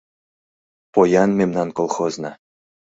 Поян мемнан колхозна.